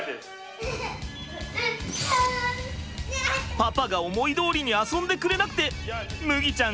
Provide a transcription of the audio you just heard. パパが思いどおりに遊んでくれなくて麦ちゃん